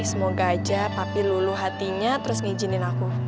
semoga aja papi luluh hatinya terus ngizinin aku